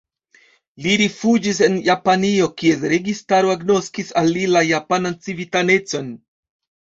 Li rifuĝis en Japanio, kies registaro agnoskis al li la japanan civitanecon.